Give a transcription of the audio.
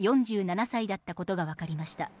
４７歳だったことがわかりました。